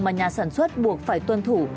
mà nhà sản xuất buộc phải tuân thủ